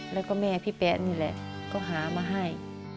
แล้วก็แม่พี่แป๊ปก็หามาให้